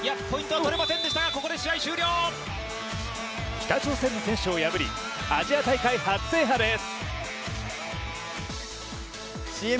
北朝鮮の選手を破り、アジア大会初制覇です。